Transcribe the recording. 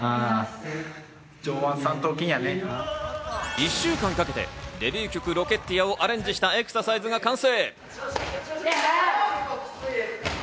１週間かけてデビュー曲『Ｒｏｃｋｅｔｅｅｒ』をアレンジしたエクササイズが完成。